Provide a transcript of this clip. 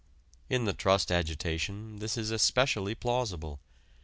In the trust agitation this is especially plausible.